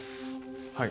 はい。